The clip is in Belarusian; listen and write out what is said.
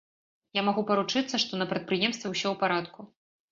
Я магу паручыцца, што на прадпрыемстве ўсё ў парадку.